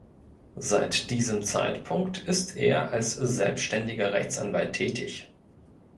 Seit diesem Zeitpunkt ist er als selbstständiger Rechtsanwalt tätig.